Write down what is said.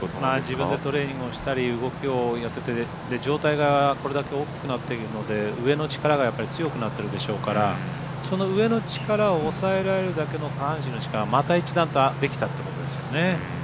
自分でトレーニングをしたり動きをやってて、上体がこれだけ大きくなっているので、上の力がやっぱり強くなってるでしょうからその上の力を抑えられるだけの下半身の力また一段とできたということですよね。